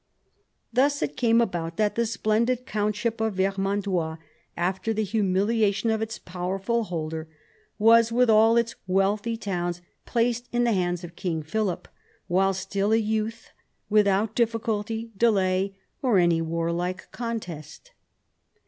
Thus it came about that the splendid countship of Vermandois, after the humiliation of its powerful holder, was, with all its wealthy towns, placed in the hands of King Philip, while still a youth, without difficulty, delay, or any warlike contest."